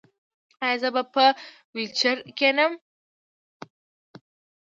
ایا زه به په ویلچیر کینم؟